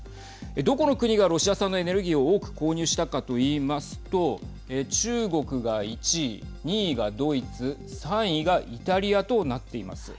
どこの国がロシア産のエネルギーを多く購入したかといいますと中国が１位２位がドイツ３位がイタリアとなっています。